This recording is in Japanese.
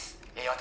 私